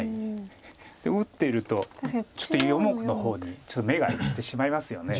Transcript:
打ってると４目の方にちょっと目がいってしまいますよね。